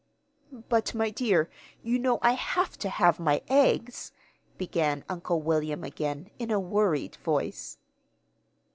"But, my dear, you know I have to have my eggs," began Uncle William again, in a worried voice.